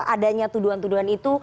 adanya tuduhan tuduhan itu